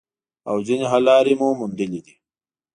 او ځینې حل لارې مو موندلي دي